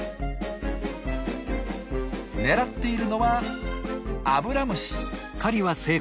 狙っているのはアブラムシ。